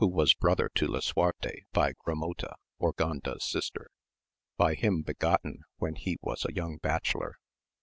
was brother to Lisuarte by Grimota, Urganda's sister ; by him begotten when he was a young batchelor.